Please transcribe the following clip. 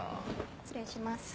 失礼します。